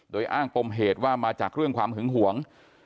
โดยอ้างปมเหตุว่ามาจากเรื่องความหึงหวง